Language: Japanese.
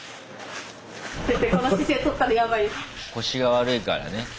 腰が悪いからね。